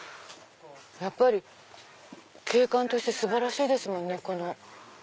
やっぱり景観として素晴らしいですもんね。